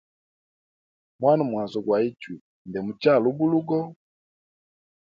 Mwana mwazi gwa ichwi nde muchala ubulugo.